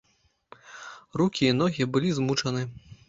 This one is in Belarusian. Рукі і ногі былі змучаны.